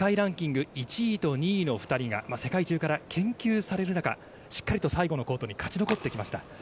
世界ランキング１位と２位の２人が世界中から研究される中、しっかりと最後のコートに勝ち残ってきました。